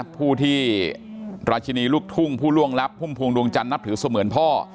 พูดที่ราชินิลุกทุ่งผู้ร่วงลัพธ์หุ้มพลวงดวงจันทร์ณถือเสมือนพ่อ